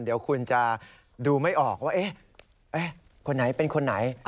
เดี๋ยวคุณจะดูไม่ออกว่าคนไหนเป็นคนไหน